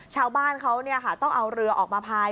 ชาวบ้านเขาต้องเอาเรือออกมาพาย